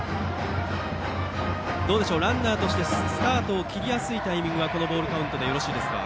ランナーとしてスタートを切りやすいタイミングはこのボールカウントでよろしいですか。